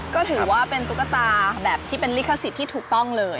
ก็ถือว่าเป็นตุ๊กตาแบบที่เป็นลิขสิทธิ์ที่ถูกต้องเลย